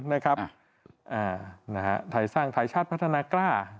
ไทยสร้างไทยชาติพัฒนากล้า